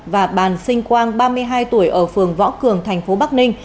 và bàn sinh quang ba mươi hai tuổi ở phường võ cường thành phố bắc ninh